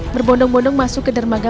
berbondong bondong masuk ke dermaga